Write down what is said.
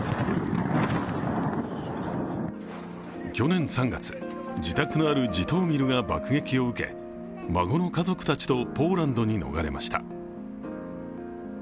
去年３月、自宅のあるジトーミルが爆撃を受け、孫の家族たちとポーランドに逃れました。